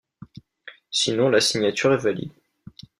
Sinon la signature est valide.